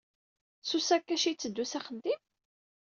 S usakac ay itteddu s axeddim?